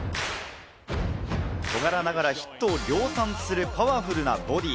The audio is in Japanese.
小柄ながらヒットを量産するパワフルなボディ。